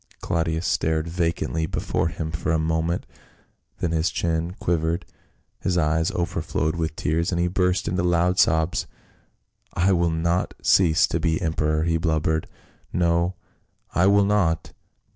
Claudius stared vacantly before him for a moment, then his chin quivered, his eyes overflowed with tears and he burst into loud sobs. " I will not cease to be emperor," he blubbered. " No, I will not